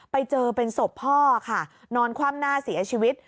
ไปเจอเป็นศพพ่อค่ะนอนคว่ำหน้าเสียชีวิต